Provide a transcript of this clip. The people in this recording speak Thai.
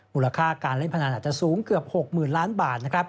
มูลค่าการเล่นพนันอาจจะสูงเกือบ๖หมื่นล้านบาท